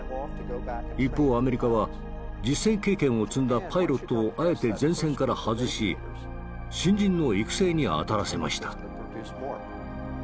一方アメリカは実戦経験を積んだパイロットをあえて前線から外し新人の育成に当たらせました。